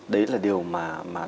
đấy là điều mà